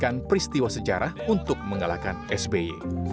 dan juga peristiwa sejarah untuk mengalahkan sby